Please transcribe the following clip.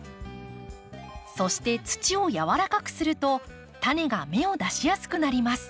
そして土をやわらかくするとタネが芽を出しやすくなります。